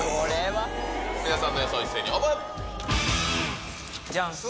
皆さんの予想一斉にオープン。